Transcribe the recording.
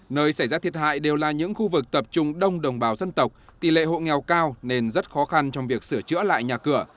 nơi xảy ra thiệt hại đều là những khu vực tập trung đông đồng bào dân tộc tỷ lệ hộ nghèo cao nên rất khó khăn trong việc sửa chữa lại nhà cửa